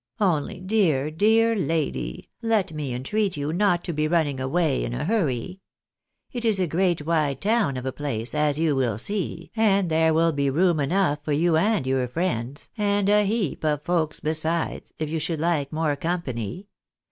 Only dear, dear lady, let me entreat you not to be running away in a hurry. It is a great wide town of a place, as you will see, and there will be room enough for you and your friends, and a heap ot folks besides, if you should like more company.